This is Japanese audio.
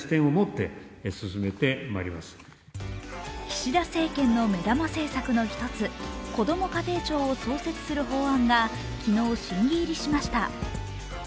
岸田政権の目玉政策の１つ、こども家庭庁を創設する法案が昨日、審議入りしました。